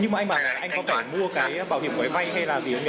nhưng mà anh có phải mua cái bảo hiểm của cái vay hay là gì không nhở